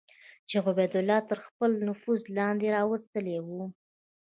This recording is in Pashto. چې عبیدالله تر خپل نفوذ لاندې راوستلي وو.